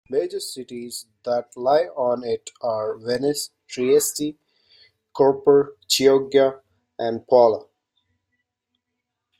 Major cities that lie on it are Venice, Trieste, Koper, Chioggia and Pula.